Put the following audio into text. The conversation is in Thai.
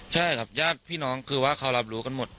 ใช่ครับญาติพี่น้องคือว่าเขารับรู้กันหมด